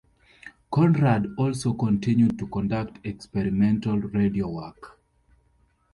Conrad also continued to conduct experimental radio work.